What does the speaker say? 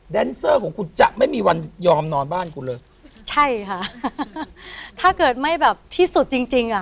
เซอร์ของคุณจะไม่มีวันยอมนอนบ้านคุณเลยใช่ค่ะถ้าเกิดไม่แบบที่สุดจริงจริงอ่ะ